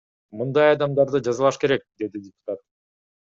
Мындай адамдарды жазалаш керек, — деди депутат.